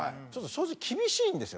正直厳しいんですよ